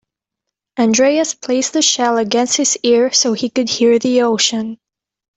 Andreas placed the shell against his ear so he could hear the ocean.